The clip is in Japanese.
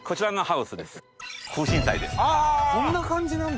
こんな感じなんだ。